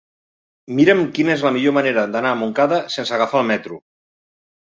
Mira'm quina és la millor manera d'anar a Montcada sense agafar el metro.